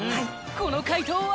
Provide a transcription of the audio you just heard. この快答は？